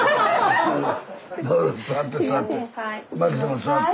どうぞ座って座って。